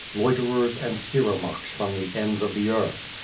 Loiterers and Siromakhs from the ends of the earth.